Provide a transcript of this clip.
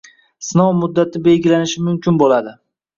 sinov muddati belgilanishi mumkin bo‘ladi.